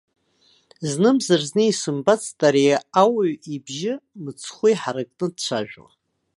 Знымзар-зны исымбацт ари ауаҩ ибжьы мыцхәы иҳаракны дцәажәо.